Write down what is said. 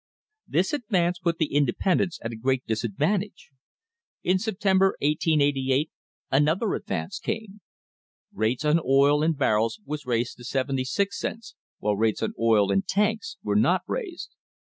This advance put the independents at a great disadvantage. In September, 1888, another advance came. Rates on oil in barrels were raised to sixty six cents, while rates on oil in tanks were not raised.